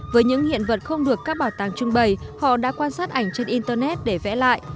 với những hiện vật không được các bảo tàng trưng bày họ đã quan sát ảnh trên internet để vẽ lại